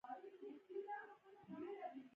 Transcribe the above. مونږ کولی شو ترسره يي کړو د